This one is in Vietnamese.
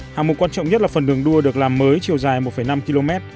hạng mục quan trọng nhất là phần đường đua được làm mới chiều dài một năm km